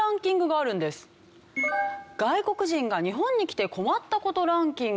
外国人が日本に来て困った事ランキング。